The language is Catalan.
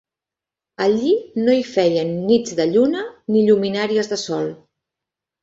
Allí no hi feien nits de lluna, ni lluminaries de sol